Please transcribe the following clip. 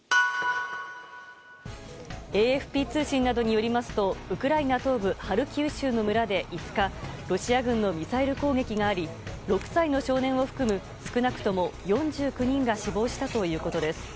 ＡＦＰ通信によりますとウクライナ東部ハルキウ州の村で５日ロシア軍のミサイル攻撃があり６歳の少年を含む少なくとも４９人が死亡したということです。